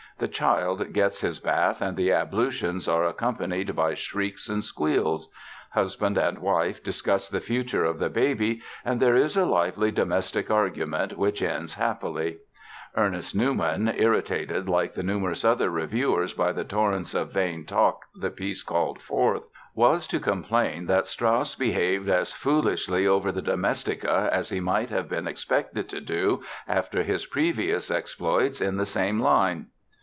The child gets his bath and the ablutions are accompanied by shrieks and squeals. Husband and wife discuss the future of the baby and there is a lively domestic argument which ends happily. Ernest Newman, irritated like numerous other reviewers by the torrents of vain talk the piece called forth, was to complain that "Strauss behaved as foolishly over the Domestica as he might have been expected to do after his previous exploits in the same line"...